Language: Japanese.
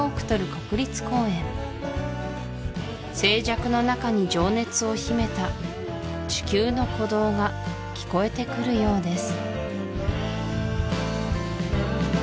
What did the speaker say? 国立公園静寂の中に情熱を秘めた地球の鼓動が聞こえてくるようです